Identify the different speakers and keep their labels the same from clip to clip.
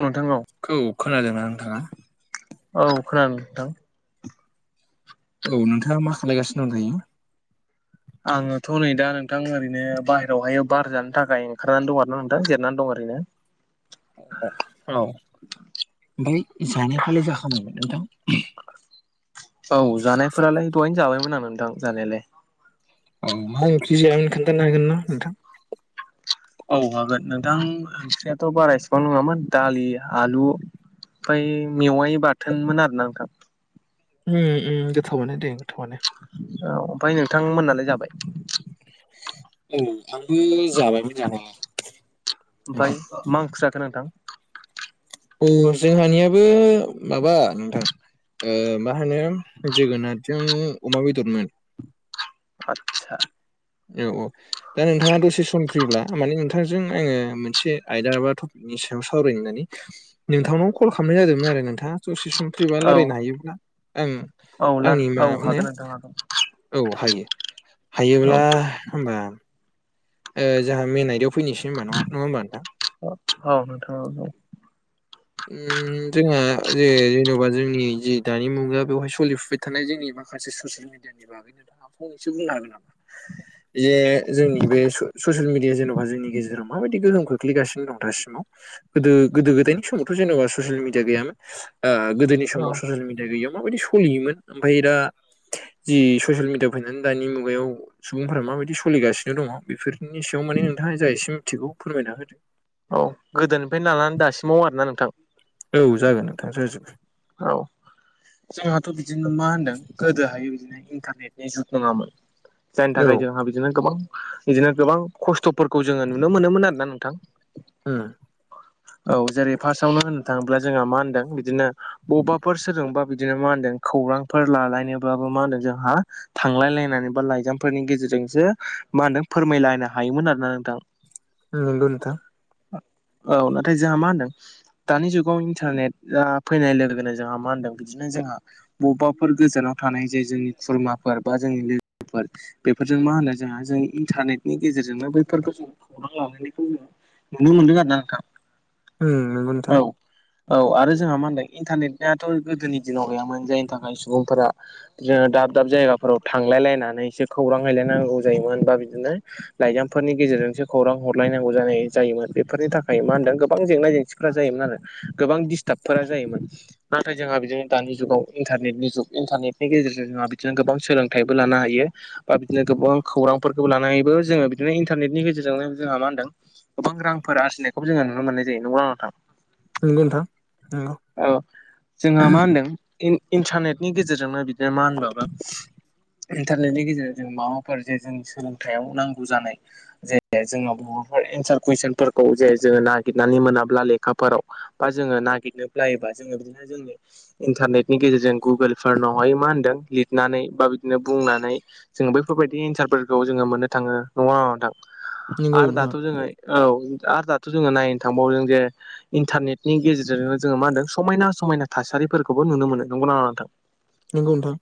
Speaker 1: औ नोंथां औ।
Speaker 2: खौ खोनादोंना नोंथाङा?
Speaker 1: औ खोनादों नोंथां।
Speaker 2: औ नोंथाङा मा खालायगासिनो दं दायो?
Speaker 1: आङोथ' नै दा नोंथां ओरैनो बाहेरावहाय बार जानो थाखाय ओंखारनानै दं आरो ना नोंथां देरनानै दं ओरैनो।
Speaker 2: औ ओमफ्राय जानायफ्रालाय जाखांबाय नोंथां?
Speaker 1: औ जानायफोरालाय दहायनो जाबायमोन आं नोंथां जानायालाय।
Speaker 2: औ मा ओंख्रि जायामोन खोन्थानो हागोन ना नोंथां?
Speaker 1: औ हागोन नोंथां ओंख्रियाथ' बारा इसिबां नङामोन दालि, आलु ओमफ्राय मेवाइ बाथोनमोन आरो ना नोंथां।
Speaker 2: उम उम गोथावानो दे गोथावानो।
Speaker 1: औ ओमफाय नोंथां मोननालाय जाबाय?
Speaker 2: औ आंबो जाबायमोन जानाया। नोंथां।
Speaker 1: ओमफाय मा ओंख्रि जाखो नोंथां?
Speaker 2: अ जोंहानियाबो माबा नोंथां ओ मा होनो जोगोनादजों अमा बेदरमोन।
Speaker 1: आतसा
Speaker 2: औ औ दा नोंथाङा दसे सम फ्रिब्ला माने नोंथांजों आङो मोनसे आयदा बा टपिकनि सायाव सावरायनानै नोंथांनाव कल खालामनाय जादोंमोन आरो नोंथाङा दसे सम फ्रिबा
Speaker 1: औ
Speaker 2: रायलायनो हायोब्ला आं
Speaker 1: औ ला
Speaker 2: आंनि मा
Speaker 1: औ
Speaker 2: होनो
Speaker 1: हागोन नोंथां हागोन
Speaker 2: औ हायो
Speaker 1: औ
Speaker 2: हायोब्ला होमबा ओ जोहा मेइन आयदायाव फैनिसै होनबा नङा नङा होनबा नोंथां।
Speaker 1: औ नोंथां औ औ।
Speaker 2: उम जोंहा जे जेन'बा जोंनि जि दानि मुगा बेवहाय सोलिफुबबाय थानाय जोंनि माखासे ससियेल मिडियानि बागै नोंथाङा फंनैसो बुंनो हागोन नामा? जे जोंनि बे स-ससियेल मिडिया जेन'बा जोंनि गेजेराव माबायदि गोहोम खो खोख्लैगासिनो दं दासिमाव गोदो गोदो गोदायनि समावथ' जेन'बा ससियेल मिडिया गैयामोन। ओ गोदोनि
Speaker 1: औ
Speaker 2: समाव ससियेल मिडिया गैयियाव माबायदि सलियोमोन ओमफाय दा जि ससियेल मिडियाआव फैनानै दानि मुगायाव सुबुंफोरा माबायदि सलिगासिनो दङ' बेफोरनि सायाव माने नोंथाङा जा एसे मिथिगौ फोरमायना होदो।
Speaker 1: औ गोदोनिफ्रायनो लानानै दासिमाव आरोना नोंथां।
Speaker 2: औ जागोन नोंथां जाजोबगोन।
Speaker 1: औ जोंहाथ' बिदिनो मा होनदों गोदोहाय बिदिनो इन्टारनेटनि जुग नङामोन जायनि
Speaker 2: औ
Speaker 1: थाखाय जोंहा बिदिनो गोबां बिदिनो गोबां खस्थ'फोरखौ जोङो नुनो मोनोमोन आरो ना नोंथां
Speaker 2: उ
Speaker 1: औ जेरै फार्स्टावनो होननो थाङोब्ला जोंहा मा होनदों बिदिनो बबेबाफोर सोरजोंबा बिदिनो मा होनदों खौरांफोर लालायनोब्लाबो मा होनदों जोंहा थांलायलायनानै बा लाइजामफोरनि गेजेरजोंसो मा होनदों फोरमायलायनो हायोमोन आरोना नोंथां
Speaker 2: ओ नंगौ नोंथां
Speaker 1: औ नाथाय जोंहा मा होनदों दानि जुगाव इन्टारनेट फैनाय लोगो मा होनदों बिदिनो जोंहा बबेबाफोर गोजानाव थानाय जे जोंनि खुरमाफोर बा जोंनि लोगोफोर बेफोरजों मा होनो जोंहा जों इन्टारनेटनि गेजेरजोंनो बैफोरखौ जों खौरां लालायनायखौ नुनो मोनदों आरोना नोंथां
Speaker 2: उ नंगौ नोंथां
Speaker 1: औ औ आरो जोंहा मा होनदों इन्टारनेटआथ' गोदोनि दिनाव गैयामोन जायनि थाखाय सुबुंफोरा जो दाब दाब जायगाफोराव थांलायलायनानै एसे खौरां हैलायनांगौ जायोमोन बा बिदिनो लाइजामफोरनि गेजेरजोंसो खौरां हरलायनांगौ जानाय जायोमोन बेफोरनि थाखाय मा होनदों गोबां जेंना जेंसि जायोमोन आरो गोबां दिडिस्टार्बफोरा जायोमोन नाथाय जोंहा बिदिनो दानि जुगाव इन्टारनेटनि जुग इन्टारनेटनि गेजेरजों जोंहा बिदिनो गोबां सोलोंथाइबो लानो हायो बा बिदिनो गोबां खौरांफोरखौ लानानैबो जोङो बिदिनो इन्टारनेटनि गेजेरजोंनो जोंहा मा होनदों गोबां रांफोर आरजिनायखौ जोङो नुनो मोननाय जायो नङा होमब्ला नोंथां
Speaker 2: नंगौ नोंथां नंगौ
Speaker 1: औ जोंहा मा होनदों इन्टारनेटनि गेजेरजोंनो बिदिनो मा होनबावगोन इन्टारनेटनि गेजेरजों जों माबाफोर जे जों सोलोंथाइयाव नांगौ जानाय जे जोंनो बबाफोर एन्सार कुइसनफोरखौ जे जोङो नागिरनानै मोनाब्ला लेखाफोराव बा जोङो नागिरनो ब्लायोबा जोङो बिदिनो जोंनि इन्टारनेटनि गेजेरजों गुगोलफोरनावहाय मा होनदों लिरनानै बा बिदिनो बुंनानै जोङो बेैफोरबायदि इन्सारफोरखौ जोङो मोननो थाङो नङा होमबा नोंथां आरो दाथ'
Speaker 2: नंगौ
Speaker 1: जोङो औ आरो दाथ' जोङो नायनो थांबावो जे इन्टारनेट नि गेजेरजोंनो जोङो मा होनदों समायना समायना थासारिफोरखौबो नुनो मोनो नंगौ ना नङा नोंथां
Speaker 2: नंगौ नोंथां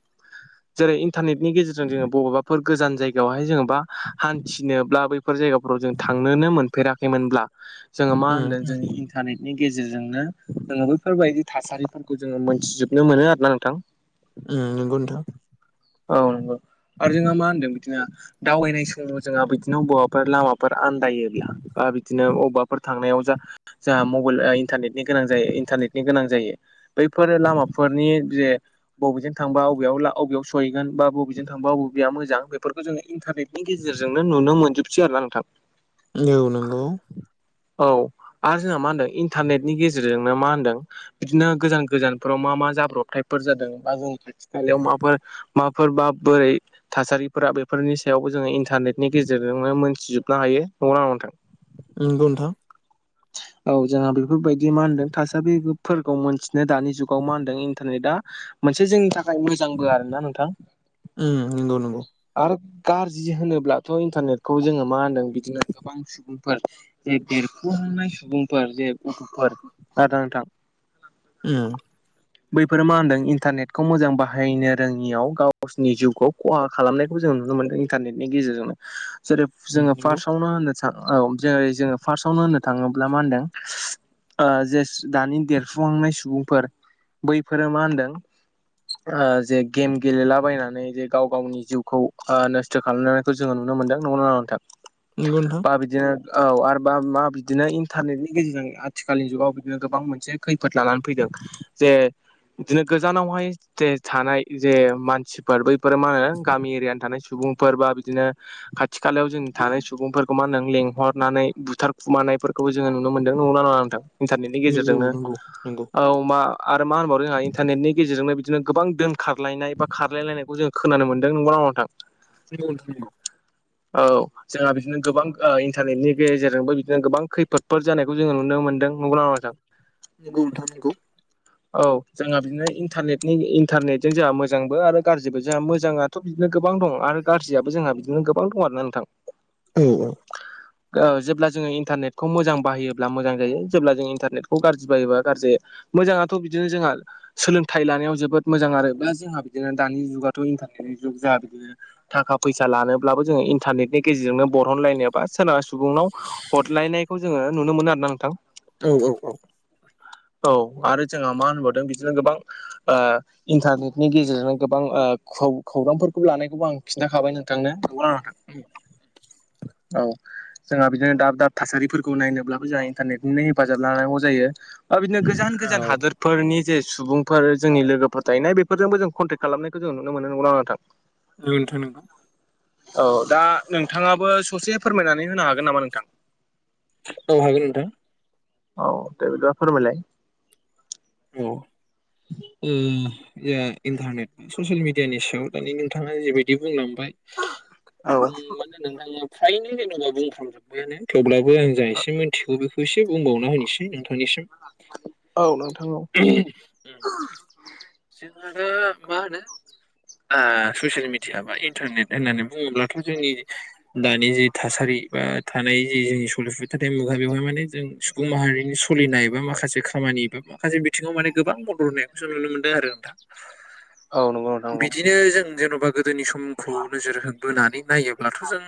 Speaker 1: जेरै इन्टारनेटनि गेजेरजों जोङो बबेबाफोर गोजान जायगायावहाय जोङो बा हान्थिनोब्ला बैफोर जायगाफोराव जों थांनोनो मोनफेराखैमोनब्ला जोङो मा होनदों जों इन्टारनेटनि गेजेरजोंनो जोंङो बैफोरबायदि थासारिफोरखौ जोङो मोनथिजोबनो मोनो आरो ना नोंथां
Speaker 2: उ नंगौ नोंथां
Speaker 1: औ नंगौ आरो जोंहा मा होनदों बिदिनो दावबायनाय समाव जोंहा बिदिनो बबाफोर लामा फोर आन्दायोब्ला बा बिदिनो अबावबाफोर थांनायाव जा जाहा मबाइल इन्टारनेटनि गोनां जायो इन्टारनेटनि गोनां जायो बैफोर लामाफोरनि जे बबेजों थांबा बबेयाव बबेयाव सहैगोन बा बबेजों थांबा बबेया मोजां बेफोरखौ जोङो इन्टारनेटनि गेजेरजोंनो नुनो मोनजोबसै आरो ना नोंथां
Speaker 2: औ नंगौ
Speaker 1: औ आरो जोंहा मा होनदों इन्टारनेटनि गेजेरजोंनो मा होनदों बिदिनो गोजान गोजानफोराव मा मा जाब्रबथायफोर जादों बा जोंनि खाथि खालायाव माफोर माफोरबा बोरै थासारिफोरा बेफोरनि सायावबो जोङो इन्टारनेटनि गेजेरजोंनो मोनथिजोबनो हायो नंङा होमबा नोंथां
Speaker 2: नंगौ नोंथां
Speaker 1: औ जोंहा बेफोरबायदि मा होनदों थासारिफोरखौ मोनथिनो दानि जुगाव मा होनदों इन्टारनेटआ मोनसे जोंनि थाखाय मोजांबो आरो ना नोंथां
Speaker 2: औ नंगौ नोंथां उम नंगौ नंगौ
Speaker 1: आरो गाज्रि होनोब्लाथ' इन्टारनेटखौ जोङो मा होनदों बिदिनो गोबां सुबुंफोर जे देरफुहांनाय सुबुंफोर जे गथ'फोर आरोना नोंथां
Speaker 2: उम
Speaker 1: बैफोरो मा होनदों इन्टारनेटखौ मोजां बाहायनो रोङियाव गावसिरनि जिउखौ खहा खालामनायखौ जों नुनो मोनदों इन्टारनेटनि गेजेरजोंनो जेरै
Speaker 2: उम
Speaker 1: जोङो
Speaker 2: नंगौ नंगौ
Speaker 1: फार्स्टआवनो होननो सा औ जेरै जोङो फार्स्टआवनो होननो थाङोब्ला मा होनदों ओ जे दानि देरफुखांनाय सुबुंफोर बैफोरो मा होनदों ओ जे गेम गेलेलाबायनानै जे गाव गावनि जिउखौ नस्थ' खालामनानै जोङो नुनो मोनदों नंगौना नङा नोंथां
Speaker 2: गंगौ नोंथां
Speaker 1: बा बिदिनो औ आरोबा मा बिदिनो इन्टारनेटनि गेजेरजों आथिखालनि जुगाव बिदिनो गोबां मोनसे खैफोद लानानै फैदों जे बिदिनो गोजानावहाय जे थानाय जे मानसि बैफोर मा होनो गामि एरियानो थानाय सुबुं फोर बा बिदिनो खाथि खालायाव जों थानाय सुबुंफोरखौ मा नों लेंहर खनानै बुथार खुमानायफोरखौ जोङो नुनो मोनदों नंगौना नङा नोंथां इन्टारनेटनि
Speaker 2: नंगौ
Speaker 1: गेजेरजोंनो
Speaker 2: नंगौ नंगौ
Speaker 1: औ मा आरो मा होनबावदों जोंहा इन्टारनेटनि गेजेरजोंनो बिदिनो गोबां दोनखारलायनाय बा खारलायलायनायखौ जों खोनानो मोनदों नंगौना नङा नोंथां
Speaker 2: नंगौ नोंथां नंगौ
Speaker 1: औ जोंहा बिदिनो गोबां ओ इन्टारनेटनि गेजेरजोंबो बिदिनो गोबां खैफोदफोर जानायखौ जोङो नुनो मोनदों नंगौना नङा नोंथां
Speaker 2: नंगौ नोंथां नंगौ
Speaker 1: औ जोंहा बिदिनोन्टारनेनि इन्टारनेटजों जोंहा मोजांबो आरो गाज्रिबो जोंहा मोजां आ थपिकबो गोबां दं आरो गाज्रियाबो जोंहा बिदिनो गोबां दं आरोना नोंथां
Speaker 2: औ
Speaker 1: ओ जेब्ला जोङो इन्टारनेटखौ मोजां बाहायोब्ला मोजां जायो जेब्ला जों इन्टारनेटखौ गाज्रि बाहायोब्ला गाज्रि मोजाङाथ' बिदिनो जोंहा सोलोंथाइ लानायाव जोबोद मोजां आरो बा जोंहा बिदिनो दानि जुगाथ' इन्टारनेट जुग जोंहा बिदिनो थाखा फैसा लानोब्लाबो जोङो इन्टारनेटनि गेजेरजोंनो बरहनलायनायाबा सोरबा सुबुंनाव हरलायनायखौ जोङो नुनो मोनो आरो ना नोंथां
Speaker 2: औ औ औ
Speaker 1: औ आरो जोंहा मा होनबावदों बिदिनो गोबां ओ इन्टारनेटनि गेजेरजोंनो गोबां खौरांफोरखौ लानायखौबो आं खिन्थाखाबाय नोंथांनो नंगौना नोंथां
Speaker 2: [inaudible]
Speaker 1: औ जोंहा बिदिनो दाब दाब थासारिफोरखौ नायनोब्लाबो जोंहा इन्टारनेटखौनो हेफाजाब लानांगौ जायो बिदिनो गोजान
Speaker 2: औ
Speaker 1: गोजान हा फोरनि जे सुबुंफोर जोंनि लोगोफोर थाहैनाय बेफोरजोंबो जों कन्टेक्ट खालामनायखौ जों नुनो मोनो नंगौना नङा नोंथां [inaudible]
Speaker 2: नंगौ नोंथां नंगौ
Speaker 1: औ दा नोंथाङाबो ससे फोरमायनानै होनो हागोन नामा नोंथां
Speaker 2: औ हागोन नोंथां
Speaker 1: औ दे बिदिबा फोरमायलाइ
Speaker 2: औ
Speaker 1: [inaudible]
Speaker 2: उम जोंहा इन्टारनेट बा ससियेल मिडियानि सायाव दानि नोंथाङा जेबायदि बुंलांबाय
Speaker 1: औ
Speaker 2: मानो नोंथाङा फ्रायनो जेनेबा बुंफ्रामजोबबायनो थेवब्लाबो आं जा एसे मिथिगौ बेखौ खौ एसे बुंबावना होनोसै नोंथांनिसिम
Speaker 1: औ नोंथां औ
Speaker 2: [inaudible] जोंहाथ मा होनो ससियेल मिडिया बा इन्टारनेट होननानै बुङोब्लाथ' जोंनि दानि जि थासारि बा थानाय जि जोंनि सलसथा मुगा बेवहाय माने जों सुबुं माहारिनि सोलिनाय ए बा माखासे खामानि एा माखासे बिथिङाव माने गोबां मदद होनायखौ जों नुनो मोनो नोंथां
Speaker 1: औ नंगौ नोंथां नंगौ।
Speaker 2: बिदिनो जों जेन'बा गोदोनि सम खौ नोजोर बोनानै नायोब्लाथ' जों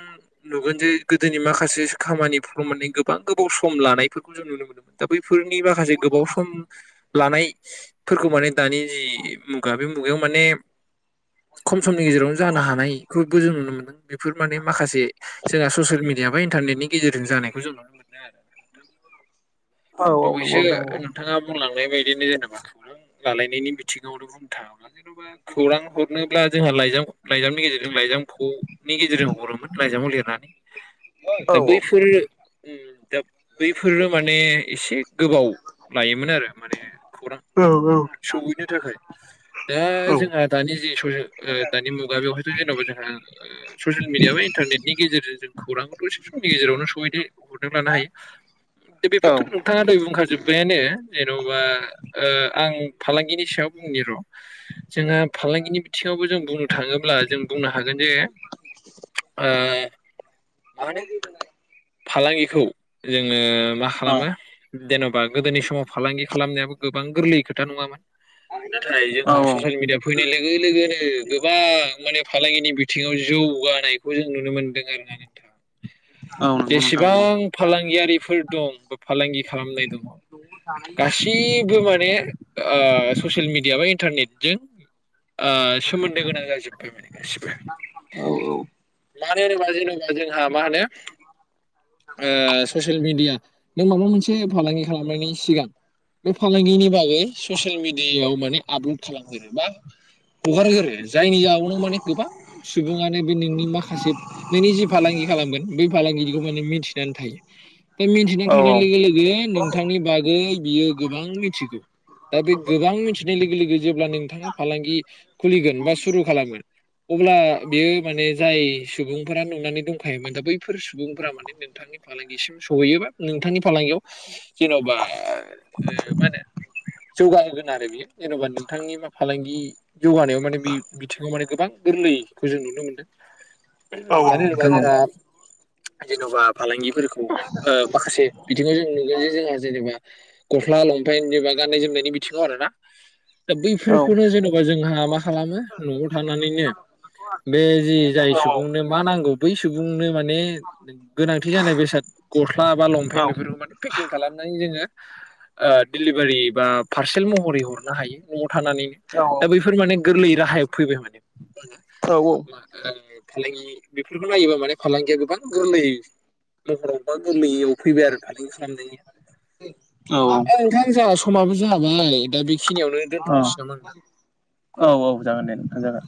Speaker 2: नुगोन जे गोदोनि माखासे खामानिफ्राव मे गोबां गोबाव सम लानायफोरखौ जों नुनो मोनोमोन दा बैफोरनि माखासे गोबाव सम लानायफोरखौ माने दानि जि मुगा बे मुगायाव माने खम समनि गेजेरावनो जानो हानायखौ बो जों नुनो मोनदों बेफोर माने माखासे जोंहा ससियेल मिडिया बा इन्टारनेटनि गेजेरजों जानायखौ जों नुनो मोनो
Speaker 1: [inaudible] नंगौ
Speaker 2: दबेसो
Speaker 1: नोंथां नंगौ
Speaker 2: नोंथाङा बुंलांनाय बायदिनो जेनेबा खौरां लालायनायनि बिथिङावनो बुंनो थाङोब्ला खौरां हरनोब्ला जोंहा लाइजाम लाइजामनि गेजेरजों जों लाइजामखनि गेजेरजों हरोमोन लाइजामाव लिरनानै
Speaker 1: औ
Speaker 2: दा
Speaker 1: औ
Speaker 2: बैफोर ओम दा बैफोरो माने एसे गोबाव लायोमोन आरो माने खौरां
Speaker 1: औ-औ
Speaker 2: सहैनो थाखाय दा
Speaker 1: नोंथां नंगौ। औ नोंथां औ
Speaker 2: जोंहा दानि जि [unintelligible] दानि मुगा बेवहायथ' जेन'बा जोंहा ओ ससियेल मिडिया बा इन्टारनेटनि गेजेरजों खौरांखौथ' एसे समनि गेजेरावनो सहैनो हरदों लानो हायो दा बेफोरथ' नोंथाङा दहय बुंखा जोब्बायानो जेन'बा आं फालांगिनि सायाव बुंनि र' जोंहा फालांगिनि बिथिङावबो जों बुंनो थाङोब्ला जों बुंनो हागोन जे ओ मा होनो
Speaker 1: [unintelligible]
Speaker 2: फालांगिखौ जोङो मा खालामो जेन'बा गोदोनि समाव फालांगि खालामनायाबो गोबां गोरलै खोथा नङामोन नाथाय जोंहा ससियेल मिडिया फैनाय लोगो लोगोनो गोबां माने फालांगिनि बिथिङाव जौगानायखौ जों नुनो मोनदों आरोना नोंथां जेसेबां फालांगियारिफोर दं बा फालांगि खालामनाय दङ गासै बो माने ओ ससियेल मिडिया बा इन्टारनेटजों आ सोमोन्दो गोनां जाजोब्बाय माने गासिबो मानो होनोबा जेन जोंहा मा होनो ओ ससियेल मिडिया नों माबा मोनसे फालांगि खालामनायनि सिगां बे फालांगिनि बागै ससियेल मिडियायाव माने आपलड खालामगोरो बा हगारो आरो जायनि जाहोनावनो माने गोबां सुबुङानो बे नोंनि माखासे नोंनि जि फालांगि खालामगोन बै फालांगिखौ माने मिथिनानै थायो दा मिथिनानै थानाय लोगो लोगो नों नोंथांनि बागै बियो गोबां मिथिगौ दा बे गोबां मिथिनाय लोगो लोगो जेब्ला नोंथाङा फालांगि खुलिगोन बा सुरु खालामगोन अब्ला बियो माने जाय सुबुंफोरा नुनानै दंखायोमोन दा बैफोर सुबुं फोरा माने नोंथांनि फालांगिसिम सहैयो बा नोंथांनि फालांगियाव जेन'बा मा होनो जौगाहोगोन आरो बियो जेन'बा नोंथांनि मा फालांगि जौगानायाव माने बे बिथिङाव माने गोबां गोरलैखौ जों नुनो मोनदों
Speaker 1: [inaudible]
Speaker 2: मानो होनोबा जोंहा जेन'बा फालांगिफोरखौ ओ माखासे बिथिङाव जों नुगोन जे जोंहा जेनेबा गस्ला लंपेेन जेनेबा गाननाय जोमनायनि बिथिङाव आरोना दा बैफोरखौनो जेन बा जोंहा मा खालामो न'आव थानानैनो बे जि जाय सुबुंनो मा नांगौ बै सुबुंनो माने गोनांथि जानाय बेसाद गस्ला बा
Speaker 1: औ
Speaker 2: लंपेत बेफोरखौ माने पेकिं खालामनानै जोङो ओ दिडिलिभारि बा पारसेल महरै हरनो हायो न'वाव थानानैनो
Speaker 1: औ
Speaker 2: दा बैफोर माने गोरलै राहायाव फैबाय माने
Speaker 1: औ औ
Speaker 2: मा ओ फालांगि बेफोरखौ नायोबा माने फालांगिया गोबां गोरलै महरावबा गोरलैयाव फैबाय आरो [unintelligible]
Speaker 1: औ
Speaker 2: औ नोंथां जोंहा समाबो जाबाय दा बेखिनियावनो दोनथ'नोसै नामा नोंथां
Speaker 1: अ औ औ जागोन दे नोंथां जागोन